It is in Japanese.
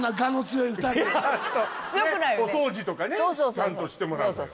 ねっお掃除とかねちゃんとしてもらうのよ